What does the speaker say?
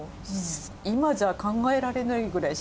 今じゃ考えられないぐらい。